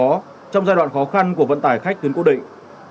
trong giai đoạn khó khăn của vận tải khách tuyến cố định